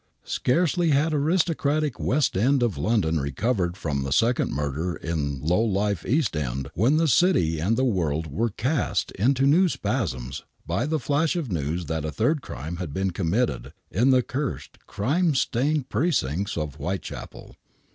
Scarcely had aristocratic West End of London recovered from the second murder in low life East End when the city and the world were cast into new spasms by the flash of news that a third crime had been committed in the cursed, crime stained precincts of Whitechapel.